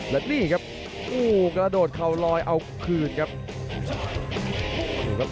และนี่ครับโอ้โหกระโดดเข่าลอยเอาคืนครับ